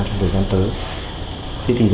trong thời gian tới